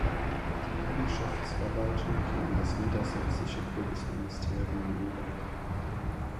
Die Liegenschaftsverwaltung ging an das Niedersächsische Kultusministerium über.